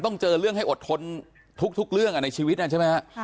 เจอเรื่องให้อดทนทุกเรื่องในชีวิตใช่ไหมฮะ